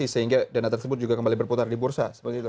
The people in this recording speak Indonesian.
sehingga dana tersebut juga kembali berputar di bursa